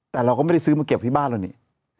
แต่เราก็ไม่ได้ซื้อมาเก็บที่บ้านเรานี่